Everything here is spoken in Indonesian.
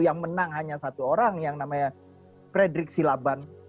yang menang hanya satu orang yang namanya frederick silaban